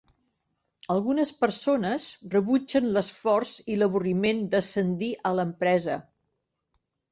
Algunes persones rebutgen l'esforç i l'avorriment d'ascendir a l'empresa.